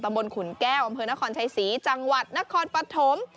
บนขุนแก้วอำเภอนครชัยศรีจังหวัดนครปฐม